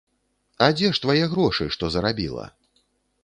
А дзе ж твае грошы, што зарабіла?